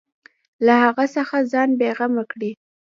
له هغه څخه ځان بېغمه کړي.